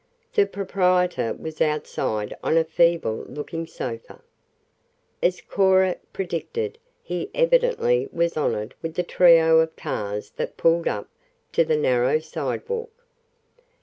The proprietor was outside on a feeble looking sofa. As Cora predicted, he evidently was honored with the trio of cars that pulled up to the narrow sidewalk.